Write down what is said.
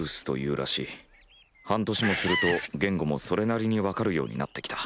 半年もすると言語もそれなりに分かるようになってきた。